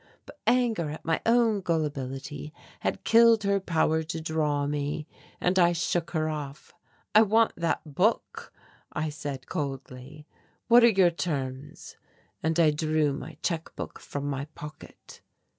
But anger at my own gullibility had killed her power to draw me, and I shook her off. "I want that book," I said coldly, "what are your terms?" And I drew my check book from my pocket.